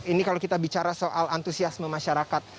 ini kalau kita bicara soal antusiasme masyarakat